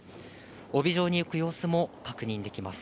帯状に浮く様子も確認できます。